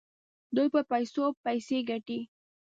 دوی پر پیسو پیسې وګټي.